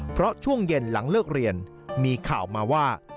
เพราะช่วงเย็นหลังเลิกเรียนมีข่าวมาว่า